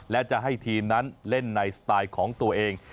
และจะให้ทีมนั้นเล่นในสไตล์ของตัวเอง